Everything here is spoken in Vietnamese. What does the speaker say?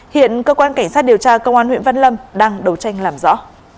hiện cơ quan cảnh sát điều tra công an huyện văn lâm đang đấu tranh làm rõ